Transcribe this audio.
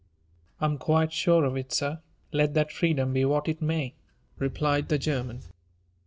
I am quite sure of it, sir, let that freedom be what it may," replied the German.